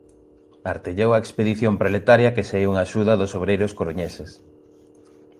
Artellou a expedición proletaria que saíu en axuda dos obreiros coruñeses.